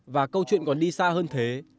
và câu chuyện còn đi xa hơn thế